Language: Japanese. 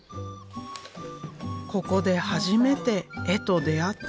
ここで初めて絵と出会った。